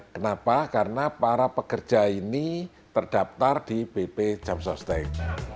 kenapa karena para pekerja ini terdaftar di bp jam sostek